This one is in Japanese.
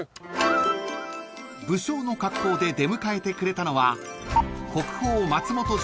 ［武将の格好で出迎えてくれたのは］